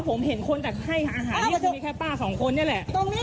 ผมเห็นคนแต่ให้อาหารเดี๋ยวมีแค่ป้าสองคนนี่แหละตรงนี้